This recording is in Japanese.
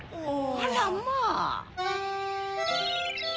あらまぁ。